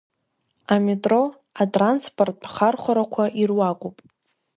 Аметро атранспорттә ахархәарақәа ируакуп.